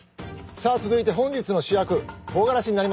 さあ続いて本日の主役とうがらしになりますね。